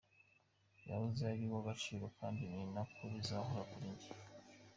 Yahoze ari uw’agaciro kandi ni nako bizahora kuri jye.